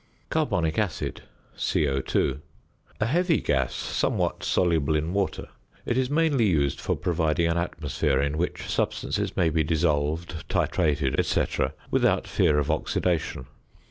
~Carbonic Acid~, CO_. A heavy gas, somewhat soluble in water; it is mainly used for providing an atmosphere in which substances may be dissolved, titrated, &c., without fear of oxidation.